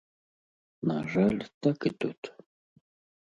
На жаль, так і тут.